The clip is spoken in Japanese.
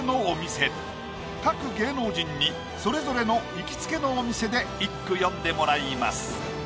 各芸能人にそれぞれの「行きつけのお店」で一句詠んでもらいます。